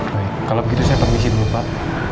baik kalau begitu saya permisi dulu pak